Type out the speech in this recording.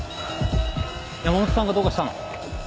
山本さんがどうかしたの？